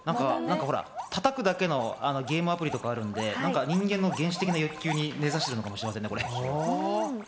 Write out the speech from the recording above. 叩くだけのゲームアプリとかあるんで、人間の原始的な欲求に根ざしてるのかもしれませんね。